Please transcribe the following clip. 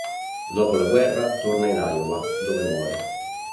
Dopo la guerra torna in Iowa dove muore.